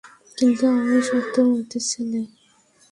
কিন্তু আমি সত্যমূর্তির ছেলে।